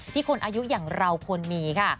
คนอายุอย่างเราควรมีค่ะ